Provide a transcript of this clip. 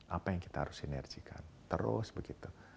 apa yang kita harus sinerjikan terus begitu